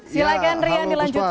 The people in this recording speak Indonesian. silahkan rian dilanjutkan